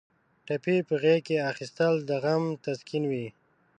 ټپي په غېږ کې اخیستل د غم تسکین وي.